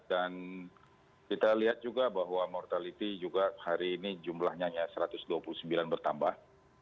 dan kita lihat juga bahwa mortality juga hari ini jumlahnya satu ratus dua puluh sembilan bertambah